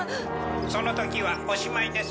その時はおしまいです。